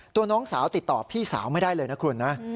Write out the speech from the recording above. น้องสาวติดต่อพี่สาวไม่ได้เลยนะคุณนะ